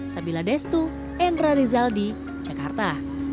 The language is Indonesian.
sabila destu entra rizal di jakarta